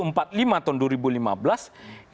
itu menjelaskan siapa saja pimpinan lembaga